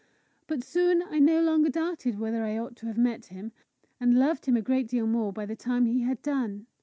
But soon I no longer doubted whether I ought to have met him, and loved him a great deal more by the time he had done.